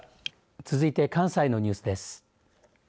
続いて関西のニュースです。